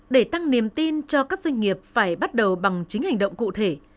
để tăng niềm tin cho các doanh nghiệp phải bắt đầu bằng chính hành động cụ thể